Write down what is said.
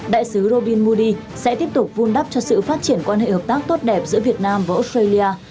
đại sứ robin moudi sẽ tiếp tục vun đắp cho sự phát triển quan hệ hợp tác tốt đẹp giữa việt nam và australia